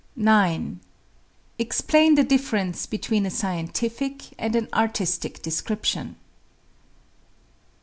9. Explain the difference between a scientific and an artistic description.